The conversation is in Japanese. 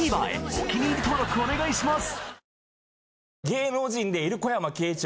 お気に入り登録お願いします